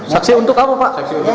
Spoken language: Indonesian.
saksi untuk apa pak